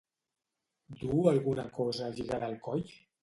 Duu alguna cosa lligada al coll?